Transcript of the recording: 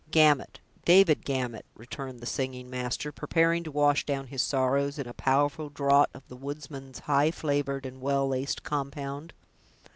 "Gamut—David Gamut," returned the singing master, preparing to wash down his sorrows in a powerful draught of the woodsman's high flavored and well laced compound.